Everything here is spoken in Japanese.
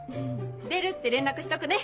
出るって連絡しとくね！